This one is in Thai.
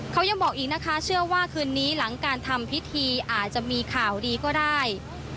เขายังบอกอีกนะคะเชื่อว่าคืนนี้หลังการทำพิธีอาจจะมีข่าวดีก็ได้